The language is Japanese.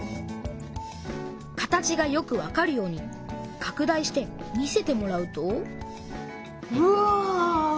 形がよくわかるようにかく大して見せてもらうとうわ！